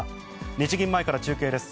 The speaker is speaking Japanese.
日銀前から中継です。